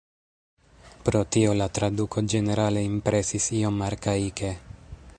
Pro tio la traduko ĝenerale impresis iom arkaike.